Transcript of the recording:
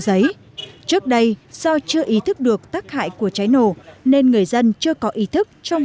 giấy trước đây do chưa ý thức được tác hại của cháy nổ nên người dân chưa có ý thức trong